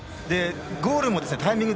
ゴールのタイミング